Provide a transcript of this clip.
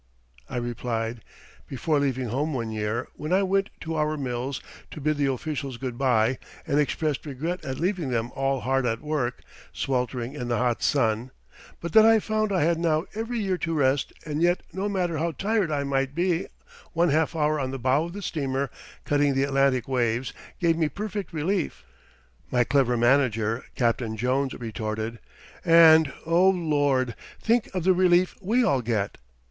I replied: "Before leaving home one year, when I went to our mills to bid the officials good bye and expressed regret at leaving them all hard at work, sweltering in the hot sun, but that I found I had now every year to rest and yet no matter how tired I might be one half hour on the bow of the steamer, cutting the Atlantic waves, gave me perfect relief, my clever manager, Captain Jones, retorted: 'And, oh, Lord! think of the relief we all get.'